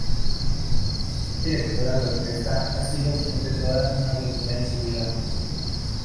Ser Directora de Orquesta ha sido siempre toda una aventura en su vida.